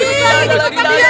tidak ada lagi tikus